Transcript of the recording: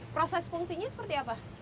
proses fungsinya seperti apa